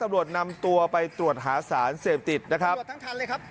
ตำรวจนำตัวไปตรวจหาสารเสพติดนะครับตรวจทั้งทันเลยครับ